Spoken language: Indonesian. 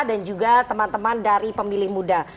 dan juga teman teman dari pemilih muda